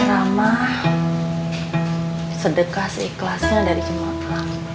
cerama sedekah seikhlasnya dari jemaah abie